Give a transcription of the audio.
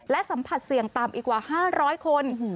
และสัมผัสเสี่ยงต่ำอีกกว่า๕๐๐คน